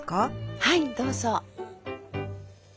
はいどうぞ。